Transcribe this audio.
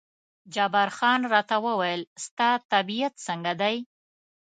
جبار خان راته وویل ستا طبیعت څنګه دی؟